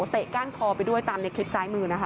เตะก้านคอไปด้วยตามในคลิปซ้ายมือนะคะ